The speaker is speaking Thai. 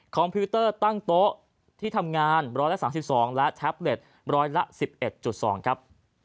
คอมพิวเตอร์ตั้งโต๊ะที่ทำงานร้อยละ๓๒บาทและแท็บเล็ตร้อยละ๑๑๒บาท